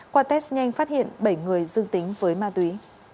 qua test nhanh phát hiện bảy người dương tính với ma túy